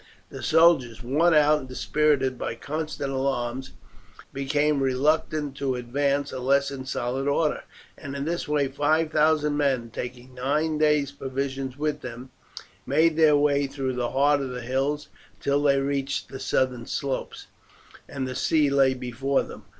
The soldiers, worn out and dispirited by constant alarms, became reluctant to advance unless in solid order; and in this way five thousand men, taking nine days' provisions with them, made their way through the heart of the hills until they reached the southern slopes, and the sea lay before them.